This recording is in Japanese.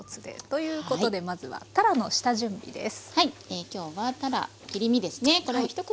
ということでまずはたらの下準備です。